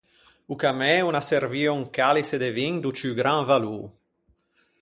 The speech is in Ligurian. O camê o n’à servio un caliçe de vin do ciù gran valô.